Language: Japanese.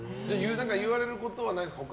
言われることはないんですか？